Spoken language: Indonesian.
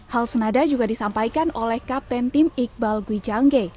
hal senada juga disampaikan oleh kapten tim iqbal gwijangge